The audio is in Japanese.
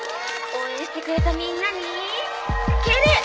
応援してくれたみんなに敬礼！